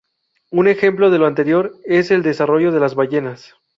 Un ejemplo de lo anterior, es el desarrollo de las ballenas.